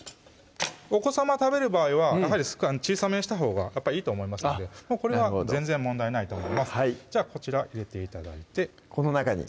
お子さま食べる場合は小さめにしたほうがやっぱりいいと思いますのでこれは全然問題ないと思いますじゃあこちら入れて頂いてこの中に？